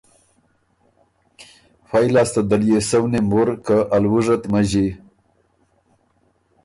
فئ لاسته ده ليې سؤنیم وُر که ا لؤُژه ت مݫی۔